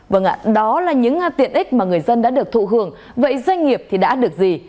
vâng ạ đó là những tiện ích mà người dân đã được thụ hưởng vậy doanh nghiệp thì đã được gì